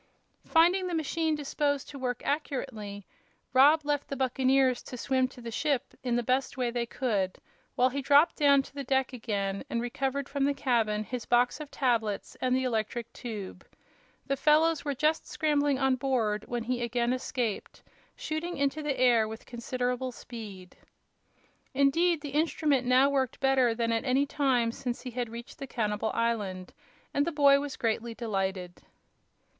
Finding the machine disposed to work accurately, Rob left the buccaneers to swim to the ship in the best way they could, while he dropped down to the deck again and recovered from the cabin his box of tablets and the electric tube. The fellows were just scrambling on board when he again escaped, shooting into the air with considerable speed. Indeed, the instrument now worked better than at any time since he had reached the cannibal island, and the boy was greatly delighted.